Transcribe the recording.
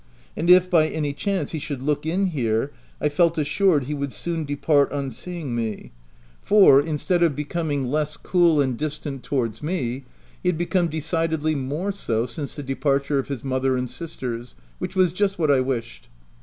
And if, by any chance, he should look in here, I felt as sured he would soon depart on seeing me, for, c 3 34 THE TENANT instead of becoming less cool and distant to wards me, he had become decidedly more so since the departure of his mother and sisters, which was just what I wished.